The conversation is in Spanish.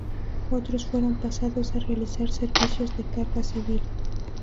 Otros fueron pasados a realizar servicios de carga civil.